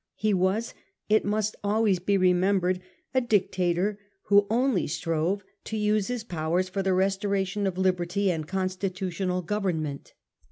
He was, it must always be remembered, a dictator who only strove to use his powers for the restoration of liberty and constitutional government.